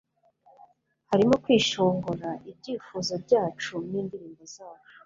harimo kwishongora, ibyifuzo byacu n'indirimbo zacu